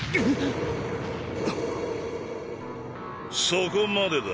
そこまでだ。